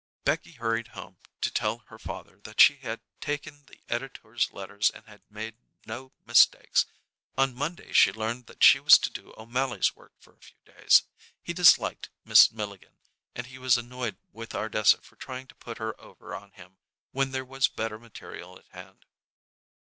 Becky hurried home to tell her father that she had taken the editor's letters and had made no mistakes. On Monday she learned that she was to do O'Mally's work for a few days. He disliked Miss Milligan, and he was annoyed with Ardessa for trying to put her over on him when there was better material at hand.